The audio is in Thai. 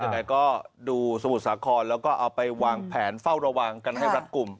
ยังไงก็ดูสมุทรสาครแล้วก็เอาไปวางแผนเฝ้าระวังกันให้รัฐกลุ่ม